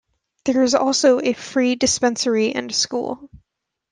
There is also a free dispensary and school.